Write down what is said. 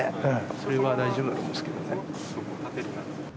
それは大丈夫なんですけどね。